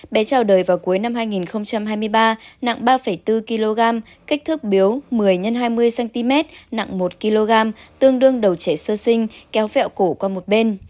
bé trào đời vào cuối năm hai nghìn hai mươi ba nặng ba bốn kg kích thước biếu một mươi x hai mươi cm nặng một kg tương đương đầu trẻ sơ sinh kéo vẹo cổ qua một bên